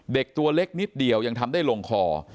ตัวเล็กนิดเดียวยังทำได้ลงคอ